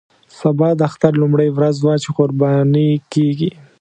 سبا د اختر لومړۍ ورځ وه چې قرباني کېږي.